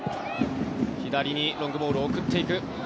左にロングボールを送っていく。